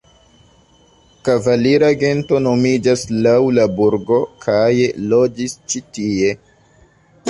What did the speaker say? Kavalira gento nomiĝas laŭ la burgo kaj loĝis ĉi-tie.